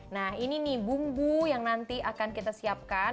nah ini nih bumbu yang nanti akan kita siapkan